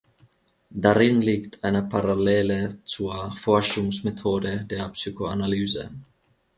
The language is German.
Darin liegt eine Parallele zur Forschungsmethode der Psychoanalyse.